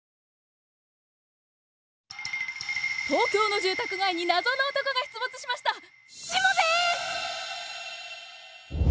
東京の住宅街に謎の男が出没しました！